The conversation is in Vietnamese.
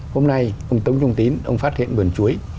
hôm nay ông tống trung tín ông phát hiện vườn chuối